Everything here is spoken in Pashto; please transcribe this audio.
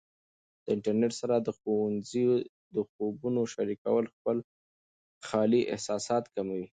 د انټرنیټ سره د ښوونځي د خوبونو شریکول خپل خالي احساسات کموي.